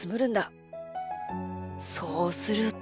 そうすると。